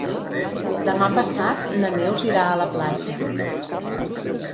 Demà passat na Neus irà a la platja.